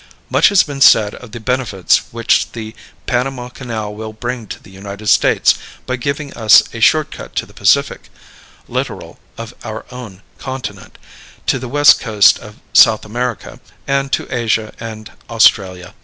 Much has been said of the benefits which the Panama Canal will bring to the United States by giving us a short cut to the Pacific littoral of our own continent, to the west coast of South America, and to Asia and Australia.